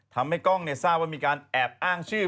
ทำให้กล้องทราบว่ามีการแอบอ้างชื่อ